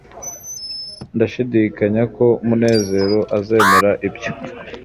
ndashidikanya ko munezero azemera ibyo